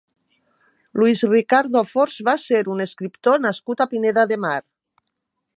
Luis Ricardo Fors va ser un escriptor nascut a Pineda de Mar.